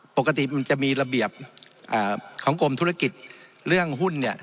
ปกติมันจะมีระเบียบของกรมธุรกิจเรื่องหุ้นเนี่ย